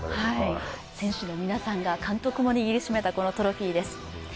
選手の皆さんが、監督も握りしめたこのトロフィーです。